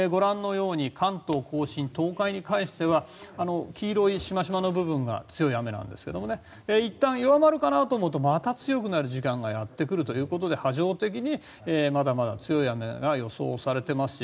関東・甲信、東海に関しては黄色いしましまの部分が強い雨なんですがいったん弱まるかなと思うとまた強くなる時間がやってくるということで波状的にまだまだ強い雨が予想されていますし。